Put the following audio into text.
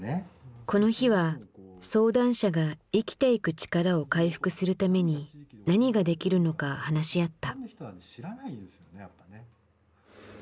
この日は相談者が生きていく力を回復するために何ができるのか話し合った。